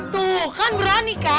tuh kan berani kan